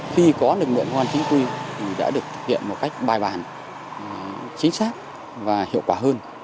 khi có lực lượng công an chính quy thì đã được thực hiện một cách bài bản chính xác và hiệu quả hơn